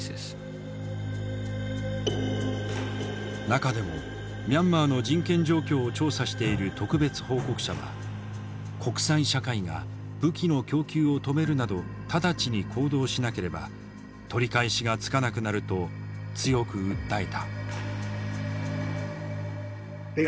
中でもミャンマーの人権状況を調査している特別報告者は国際社会が武器の供給を止めるなど直ちに行動しなければ取り返しがつかなくなると強く訴えた。